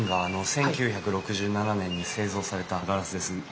１９６７年に製造されたガラスです。